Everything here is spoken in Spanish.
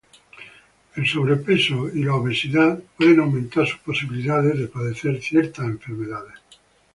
El sobrepeso y la obesidad pueden aumentar sus posibilidades de padecer ciertas enfermedades